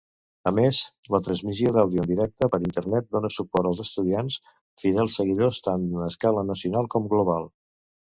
A més, la transmissió d'àudio en directe per internet dona suport als estudiants, fidels seguidors tant a escala nacional com global.